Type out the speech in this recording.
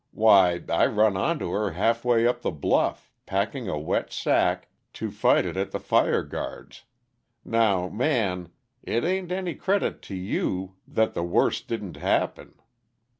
Why, I run onto her half way up the bluff, packing a wet sack, to fight it at the fire guards I Now, Man, it ain't any credit to, you that the worst didn't happen.